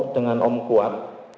dengan om kuat